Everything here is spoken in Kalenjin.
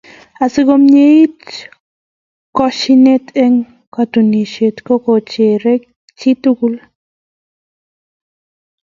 asikomieit koshinet eng katunisiet ko kochergei chitugul